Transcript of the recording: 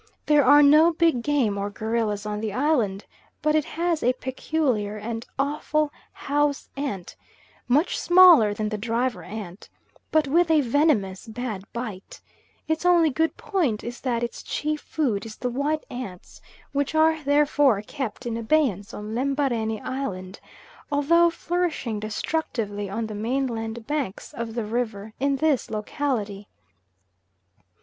There are no big game or gorillas on the island, but it has a peculiar and awful house ant, much smaller than the driver ant, but with a venomous, bad bite; its only good point is that its chief food is the white ants, which are therefore kept in abeyance on Lembarene Island, although flourishing destructively on the mainland banks of the river in this locality.